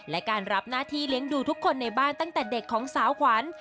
และการรับหน้าที่เลี้ยงดูทุกคนในบ้านตั้งแต่เด็กของสาวขวัญ